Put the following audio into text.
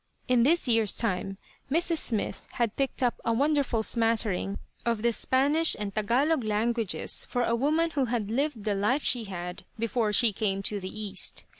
In this year's time Mrs. Smith had picked up a wonderful smattering of the Spanish and Tagalog languages for a woman who had lived the life she had before she came to the East.